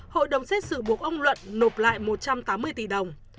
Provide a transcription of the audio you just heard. hội đồng xét xử buộc ông luận nộp lại một trăm tám mươi tỷ đồng